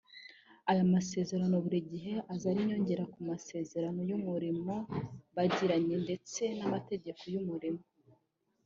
Aya masezerano buri gihe aza ari inyongera ku masezerano y’umurimo bagiranye ndetse n’amategeko y’umurimo